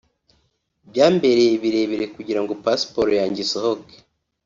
byambereye birebire kugirango passport yanjye isohoke’’